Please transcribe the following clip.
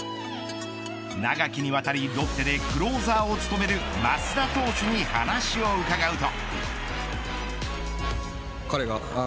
長きにわたりロッテでクローザーを務める益田投手に話を伺うと。